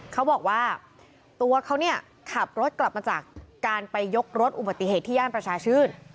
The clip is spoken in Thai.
เขาบอกว่าตัวเขาเนี่ยขับรถกลับมาจากการไปยกรถอุบัติเหตุที่ย่านประชาชื่น